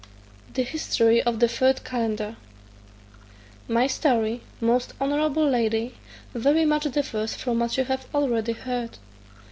The History of the Third Calender. My story, most honourable lady, very much differs from what you have already heard.